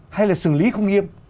hay là xử lý không nghiêm